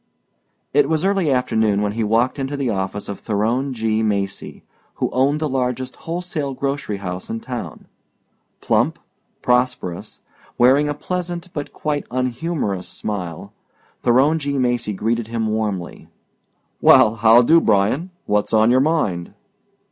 It was early afternoon when he walked into the office of Theron G. Macy, who owned the largest wholesale grocery house in town. Plump, prosperous, wearing a pleasant but quite unhumorous smile, Theron G. Macy greeted him warmly. "Well how do, Bryan? What's on your mind?"